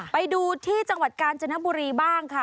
ไปดูที่จังหวัดกาญจนบุรีบ้างค่ะ